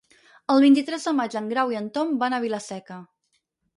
El vint-i-tres de maig en Grau i en Tom van a Vila-seca.